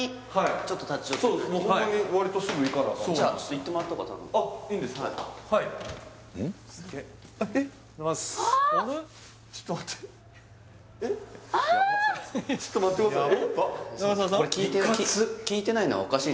ちょっと待ってやばい！